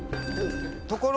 ところ。